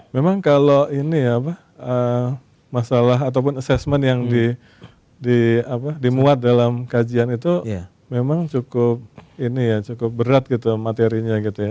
memang kalau ini ya apa masalah ataupun assessment yang dimuat dalam kajian itu memang cukup ini ya cukup berat gitu materinya gitu ya